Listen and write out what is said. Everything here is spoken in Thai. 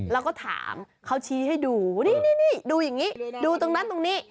แล้วก็ถามเขาชี้ให้ดูนี่ดูอย่างนี้ดูตรงนั้นตรงนี้